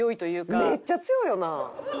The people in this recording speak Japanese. めっちゃ強いよな。